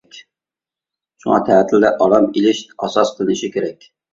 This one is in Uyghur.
شۇڭا تەتىلدە ئارام ئېلىش ئاساس قىلىنىشى كېرەك.